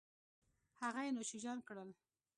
هغه یې نوش جان کړل